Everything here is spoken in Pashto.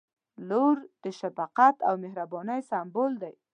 • لور د شفقت او مهربانۍ سمبول دی.